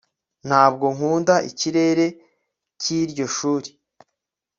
Ntabwo nkunda ikirere cyiryo shuri